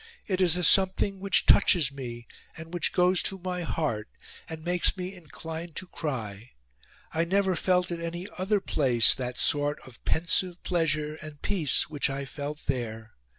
It is a something which touches me, and which goes to my heart, and makes me inclined to cry. I never felt at any other place that sort of pensive pleasure and peace which I felt there.